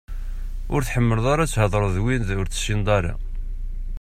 Ur tḥemmleḍ ara ad theḍṛeḍ d wid ur tessineḍ ara?